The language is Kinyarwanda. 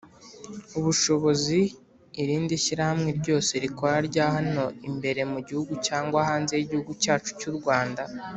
ubushobozi irindi shyirahamwe ryose rikora rya hano imbere mu gihugu cyangwa hanze y’igihugu cyacu cy’U Rwanda.